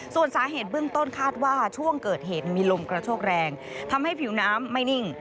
ส่วนสาเหตุเบื้องต้นคาดว่าช่วงเกิดเหตุมีลมกระโชกแรงทำให้ผิวน้ำไม่นิ่ง